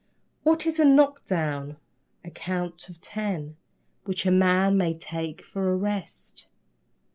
What is a knock down? A count of ten Which a man may take for a rest.